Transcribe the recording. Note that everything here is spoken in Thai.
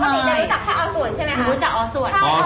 ภายในปรุกว่าพี่จะรู้จักแค่อ่อสวนใช่ไหมฮะ